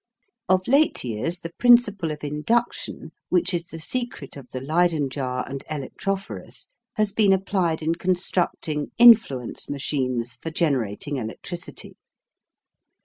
Of late years the principle of induction, which is the secret of the Leyden jar and electrophorus, has been applied in constructing "influence" machines for generating electricity.